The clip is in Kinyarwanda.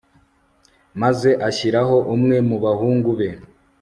maze ashyiraho umwe mu bahungu be